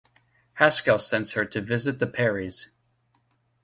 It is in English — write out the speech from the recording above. Haskell sends her to visit the Perrys.